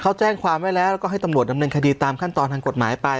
เขาแจ้งความไว้แล้วแล้วก็ให้ตำรวจดำเนินคดีตามขั้นตอนทางกฎหมายไป